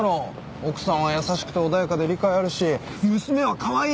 奥さんは優しくて穏やかで理解あるし娘はカワイイ。